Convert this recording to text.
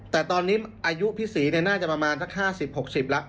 แต่ตอนนี้อายุพี่ศรีน่าจะประมาณสัก๕๐๖๐แล้ว